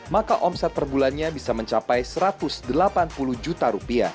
maka omset per bulannya bisa mencapai rp satu ratus delapan puluh juta